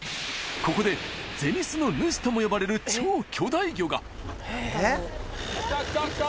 ここで銭洲の主とも呼ばれる超巨大魚がきたきたきた。